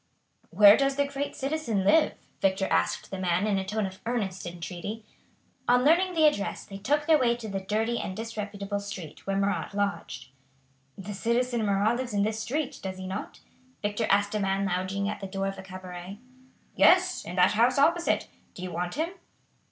"Where does the great citizen live?" Victor asked the men in a tone of earnest entreaty. On learning the address they took their way to the dirty and disreputable street where Marat lodged. "The citizen Marat lives in this street, does he not?" Victor asked a man lounging at the door of a cabaret. "Yes, in that house opposite. Do you want him?"